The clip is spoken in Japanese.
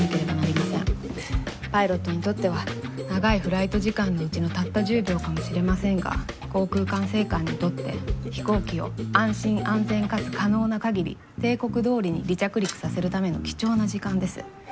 パイロットにとっては長いフライト時間のうちのたった１０秒かもしれませんが航空管制官にとって飛行機を安心安全かつ可能な限り定刻どおりに離着陸させるための貴重な時間です。